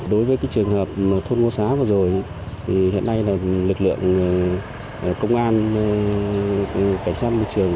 đối với trường hợp thôn mua xá vừa rồi thì hiện nay là lực lượng công an cảnh sát môi trường